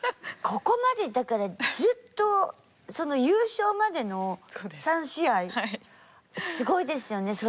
ここまでだからずっと優勝までの３試合すごいですよね。